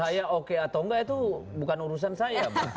saya oke atau enggak itu bukan urusan saya